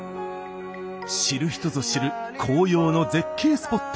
知る人ぞ知る紅葉の絶景スポット。